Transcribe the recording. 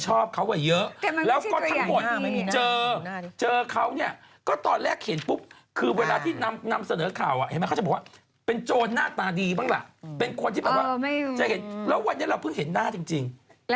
เห็นดังหลัง